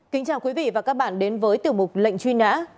kính chào quý vị và các bạn đến với tiểu mục lệnh truy nã